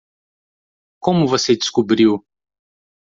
Como você descobriu?